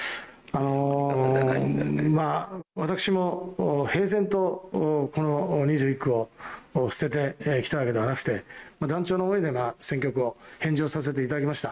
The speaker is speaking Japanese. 私も平然とこの２１区を捨ててきたわけではなくて、断腸の思いで選挙区を返上させていただきました。